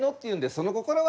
その心は？